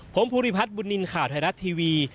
ผมภูริพัฒน์บุญนินทร์ข่าวไทยรัฐทีวี